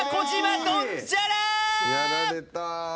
やられた。